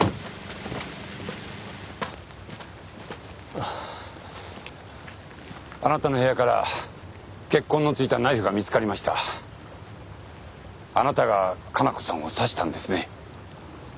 あぁあなたの部屋から血痕の付いたナイフが見つかりましたあなたが加奈子さんを刺したんですね